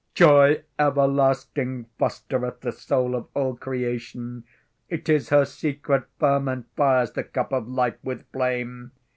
Joy everlasting fostereth The soul of all creation, It is her secret ferment fires The cup of life with flame.